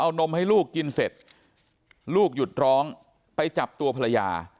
เอานมให้ลูกกินเสร็จลูกหยุดร้องไปจับตัวภรรยา